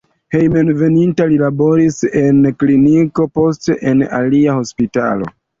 Hejmenveninta li laboris en kliniko, poste en alia hospitalo.